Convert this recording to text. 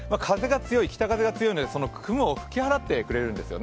北風が強いので雲を吹き払ってくれるんですよね。